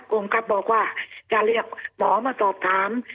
กรมครับบอกว่าจะเรียกหมอมาสอบถาม